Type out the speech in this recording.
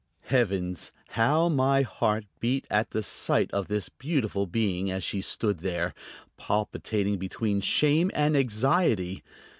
Heavens! how my heart beat at the sight of this beautiful being, as she stood there, palpitating between shame and anxiety!